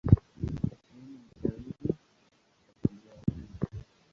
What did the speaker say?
Yeye ni mshauri na shujaa wangu.